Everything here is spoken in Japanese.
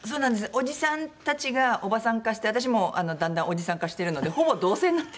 おじさんたちがおばさん化して私もだんだんおじさん化してるのでほぼ同性になって。